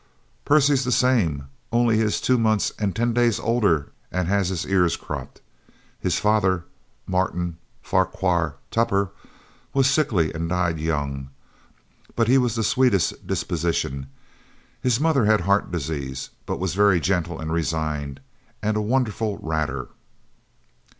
"Percy's the same, only he is two months and ten days older and has his ears cropped. His father, Martin Farquhar Tupper, was sickly, and died young, but he was the sweetest disposition. His mother had heart disease but was very gentle and resigned, and a wonderful ratter."